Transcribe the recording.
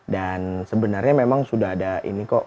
dan sebenarnya memang sudah ada ini kok